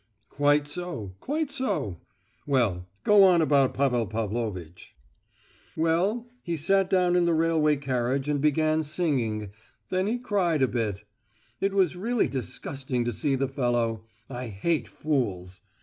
"Quite so, quite so. Well, go on about Pavel Pavlovitch——" "Well, he sat down in the railway carriage and began singing, then he cried a bit. It was really disgusting to see the fellow. I hate fools!